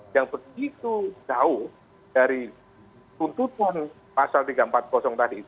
yang begitu jauh dari tuntutan pasal tiga ratus empat puluh tadi